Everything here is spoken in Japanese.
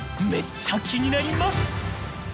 めっちゃ気になります！